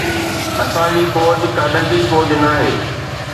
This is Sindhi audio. اسان جي فوج ڪا ننڍي فوج ناهي.